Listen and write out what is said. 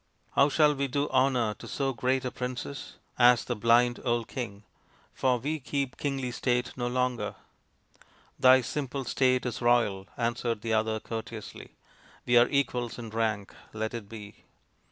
" How shall we do honour to so great a princess ?" 62 THE INDIAN STORY BOOK asked the blind old king, " for we keep kingly state no longer." " Thy simple state is royal," answered the other courteously. " We are equals in rank. Let it be."